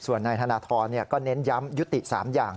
ส่วนนายธนทรก็เน้นย้ำยุติ๓อย่าง